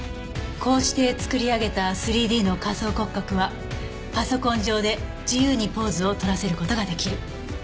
こうして作り上げた３Ｄの仮想骨格はパソコン上で自由にポーズを取らせる事が出来る。